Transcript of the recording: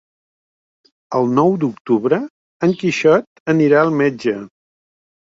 El nou d'octubre en Quixot anirà al metge.